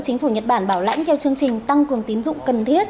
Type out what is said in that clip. chính phủ nhật bản bảo lãnh theo chương trình tăng cường tín dụng cần thiết